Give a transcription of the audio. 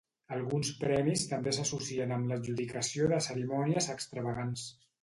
Alguns premis també s'associen amb l'adjudicació de cerimònies extravagants.